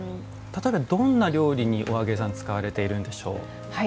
例えばどんな料理にお揚げさん使われているんでしょう？